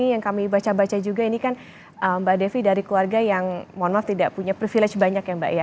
yang kami baca baca juga ini kan mbak devi dari keluarga yang mohon maaf tidak punya privilege banyak ya mbak ya